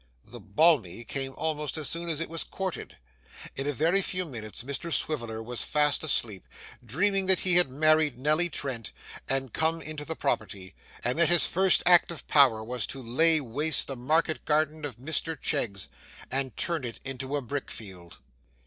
'The balmy' came almost as soon as it was courted. In a very few minutes Mr Swiviller was fast asleep, dreaming that he had married Nelly Trent and come into the property, and that his first act of power was to lay waste the market garden of Mr Cheggs and turn it into a brick field.